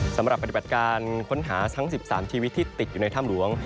สำหรับปฏิบัติการค้นหาทั้ง๑๓ชีวิตที่ติดอยู่ในถ้ำหลวง